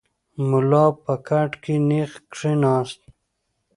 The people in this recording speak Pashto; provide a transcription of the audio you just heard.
ملا په کټ کې نېغ کښېناست.